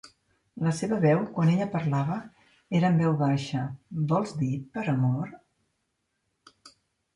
La seva veu, quan ella parlava, era en veu baixa: "vols dir - per amor?"